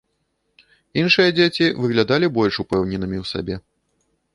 Іншыя дзеці выглядалі больш упэўненымі ў сабе.